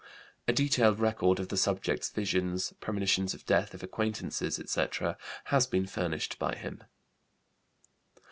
[A detailed record of the subject's visions, premonitions of death of acquaintances, etc., has been furnished by him.